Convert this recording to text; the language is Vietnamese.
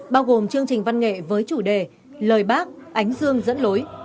bao gồm chương trình văn nghệ với chủ đề lời bác ánh dương dẫn lối